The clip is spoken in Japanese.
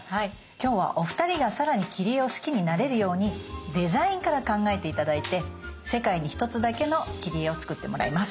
今日はお二人がさらに切り絵を好きになれるようにデザインから考えて頂いて世界に１つだけの切り絵を作ってもらいます。